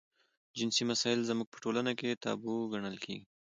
جنسي مسایل زموږ په ټولنه کې تابو ګڼل کېږي.